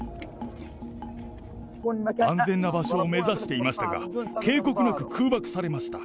安全な場所を目指していましたが、警告なく空爆されました。